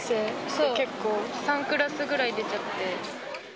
３クラスぐらい出ちゃって。